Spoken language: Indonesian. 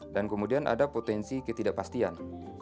dan kemudian ada potensi ketidakpastian